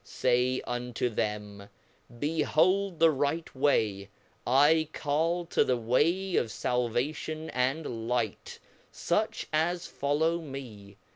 Say unto them, Behold the right way, I call to the way of Salvation and Light, fuch as fol low me.